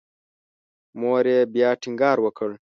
مور یې بیا ټینګار وکړ.